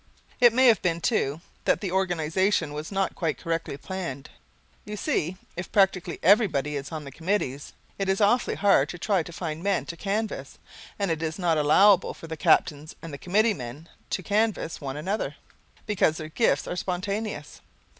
It may have been, too, that the organization was not quite correctly planned. You see, if practically everybody is on the committees, it is awfully hard to try to find men to canvass, and it is not allowable for the captains and the committee men to canvass one another, because their gifts are spontaneous.